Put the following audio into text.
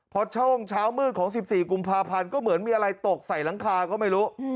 พอช่วงเช้ามืดของ๑๔กุมภาพันธ์ก็เหมือนมีอะไรตกใส่หลังคาก็ไม่รู้